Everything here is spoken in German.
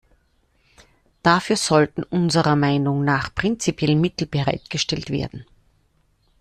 Dafür sollten unserer Meinung nach prinzipiell Mittel bereitgestellt werden.